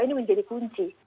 ini menjadi kunci